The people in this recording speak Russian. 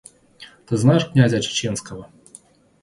Ты знаешь князя Чеченского?